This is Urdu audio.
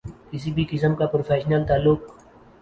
کسی بھی قسم کا پروفیشنل تعلق